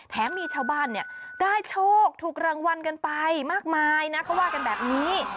มีชาวบ้านเนี่ยได้โชคถูกรางวัลกันไปมากมายนะเขาว่ากันแบบนี้